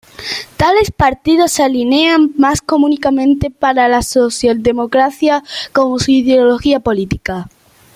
Tales partidos se alinean más comúnmente con la socialdemocracia como su ideología política.